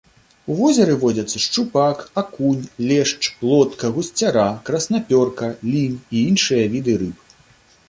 У возеры водзяцца шчупак, акунь, лешч, плотка, гусцяра, краснапёрка, лінь і іншыя віды рыб.